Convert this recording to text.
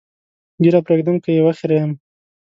ږیره پرېږدم که یې وخریم؟